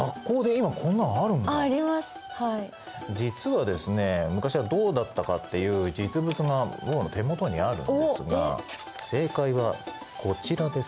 実はですね昔はどうだったかっていう実物が僕の手元にあるんですが正解はこちらです。